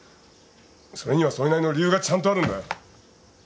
それにはそれなりの理由がちゃんとあるんだよ。